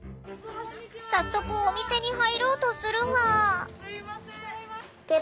早速お店に入ろうとするが。